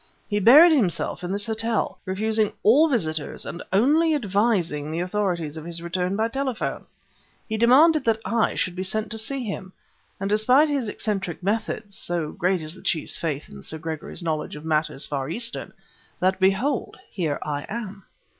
He buried himself in this hotel, refusing all visitors and only advising the authorities of his return by telephone. He demanded that I should be sent to see him; and despite his eccentric methods so great is the Chief's faith in Sir Gregory's knowledge of matters Far Eastern, that behold, here I am."